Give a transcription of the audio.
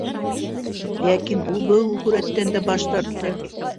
Ләкин ул был һүрәттән дә баш тартты: